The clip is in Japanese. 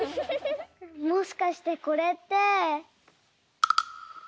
もしかしてこれって。